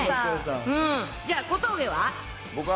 じゃあ小峠は？